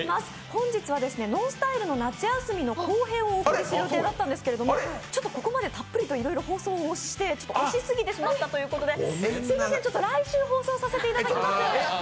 本日はＮＯＮＳＴＹＬＥの夏休みの後編をお送りする予定だったんですけどここまでたっぷりと放送をして押し過ぎてしまったということですみません、来週、放送させていただきます。